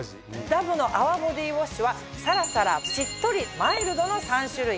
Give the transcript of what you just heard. ダヴの泡ボディウォッシュはさらさらしっとりマイルドの３種類。